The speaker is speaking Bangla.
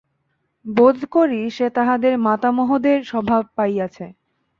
বোধ করি সে তাহাদের মাতামহদের স্বভাব পাইয়াছে।